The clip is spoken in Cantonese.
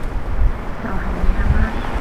就係你阿媽